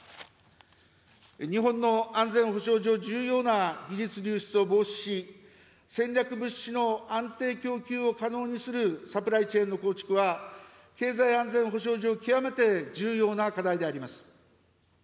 日本の安全保障上重要な技術流出を防止し、戦略物資の安定供給を可能にするサプライチェーンの構築は、経済安全保障上、極めて重要な課題であります。